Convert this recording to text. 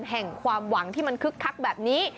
แห่งความหวังที่มันคึกคักแบบนี้